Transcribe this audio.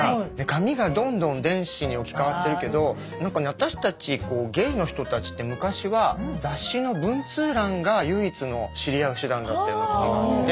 紙がどんどん電子に置き換わってるけど私たちゲイの人たちって昔は雑誌の文通欄が唯一の知り合う手段だったような時があって。